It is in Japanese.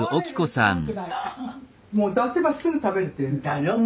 もう出せばすぐ食べるっていう。